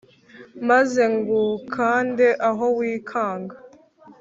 maze ngukande aho wikanga